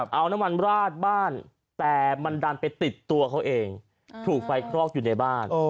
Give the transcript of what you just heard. เอาน้ำมันราดบ้านแต่มันดันไปติดตัวเขาเองถูกไฟคลอกอยู่ในบ้าน